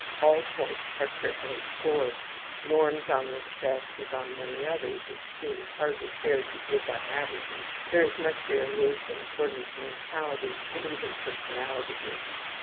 All points are carefully scored. Norms on this test, as on many others, it seems hardly fair to give by averages there is much variation according to mentality and even personality groups.